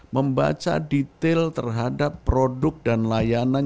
membaca detail terhadap produk dan layanan